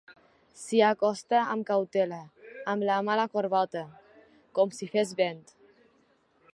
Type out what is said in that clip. S'hi acosta amb cautela, amb la mà a la corbata, com si fes vent.